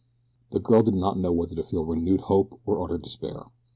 The girl did not know whether to feel renewed hope or utter despair.